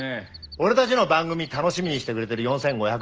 俺たちの番組楽しみにしてくれてる４，５００万